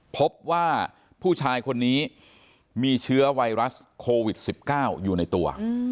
พบว่าผู้ชายคนนี้มีเชื้อไวรัสโควิด๑๙อยู่ในตัว